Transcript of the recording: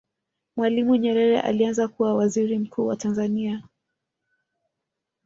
mwalimu nyerere alianza kuwa Waziri mkuu wa tanzania